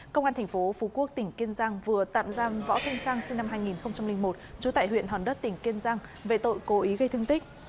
công an tp phú quốc tỉnh kiên giang vừa tạm giam võ thanh sang sinh năm hai nghìn một trú tại huyện hòn đất tỉnh kiên giang về tội cố ý gây thương tích